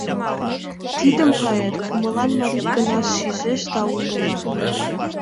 Тидым поэт кумылан марий гына шижеш да умыла...